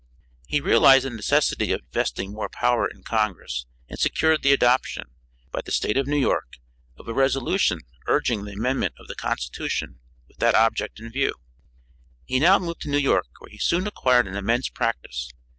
He realized the necessity of vesting more power in congress and secured the adoption, by the State of New York, of a resolution urging the amendment of the constitution with that object in view. He now moved to New York where he soon acquired an immense practice.